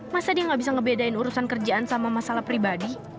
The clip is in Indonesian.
masa dia gak bisa ngebedain urusan kerjaan sama masalah pribadi